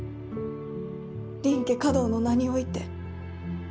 林家華道の名において。